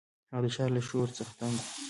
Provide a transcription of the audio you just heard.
هغه د ښار له شور څخه تنګ شو.